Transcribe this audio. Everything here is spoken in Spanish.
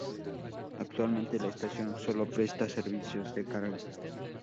Actualmente la estación solo presta servicios de carga.